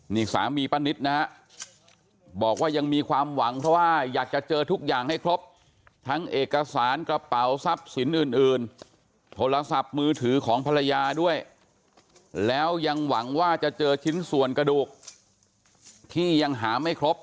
นี่สามีป้านิตนะฮะบอกว่ายังมีความหวังเพราะว่าอยากจะเจอทุกอย่างให้ครบทั้งเอกสารกระเป๋าทรัพย์สินอื่นโทรศัพท์มือถือของภรรยาด้วยแล้วยังหวังว่าจะเจอชิ้นส่วนกระดูกที่ยังหาไม่ครบ